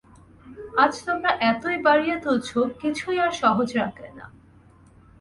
আজ তোমরা এতই বাড়িয়ে তুলছ, কিছুই আর সহজ রাখলে না।